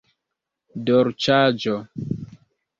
dolĉaĵo